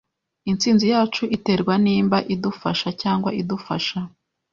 Intsinzi yacu iterwa nimba idufasha cyangwa idufasha.